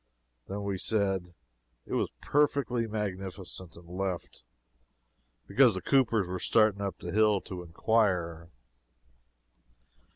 Then we said it was perfectly magnificent, and left. Because the coopers were starting up the hill to inquire.